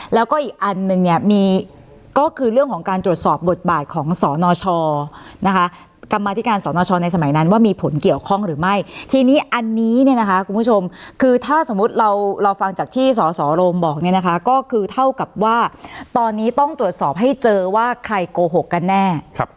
แล้วก็อีกอันนึงเนี่ยมีก็คือเรื่องของการตรวจสอบบทบาทของสนชนะคะกรรมธิการสนชในสมัยนั้นว่ามีผลเกี่ยวข้องหรือไม่ทีนี้อันนี้เนี่ยนะคะคุณผู้ชมคือถ้าสมมุติเราฟังจากที่สสโรมบอกเนี่ยนะคะก็คือเท่ากับว่าตอนนี้ต้องตรวจสอบให้เจอว่าใครโกหกกันแน่